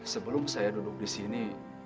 sebelum saya duduk disini